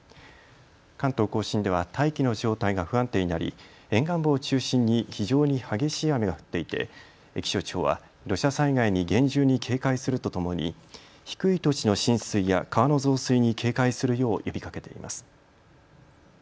関東甲信では大気の状態が不安定になり、沿岸部を中心に非常に激しい雨が降っていて気象庁は土砂災害に厳重に警戒するとともに低い土地の浸水や川の増水に警戒するよう呼びかけています。